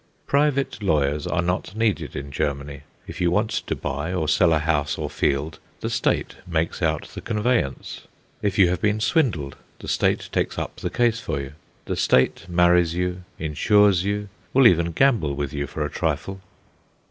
Private lawyers are not needed in Germany. If you want to buy or sell a house or field, the State makes out the conveyance. If you have been swindled, the State takes up the case for you. The State marries you, insures you, will even gamble with you for a trifle.